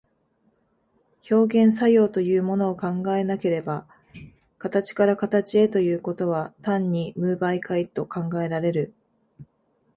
表現作用というものを考えなければ、形から形へということは単に無媒介と考えられる。